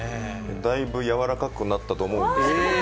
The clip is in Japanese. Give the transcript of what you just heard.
だいぶ柔らかくなったと思うんですけどね。